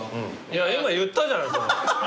いや今言ったじゃないそれ。